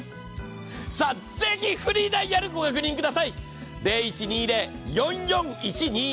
さあ、ぜひフリーダイヤルご確認ください。